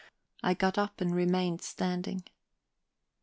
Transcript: I got up and remained standing.